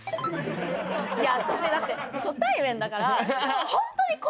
いや私だって初対面だから。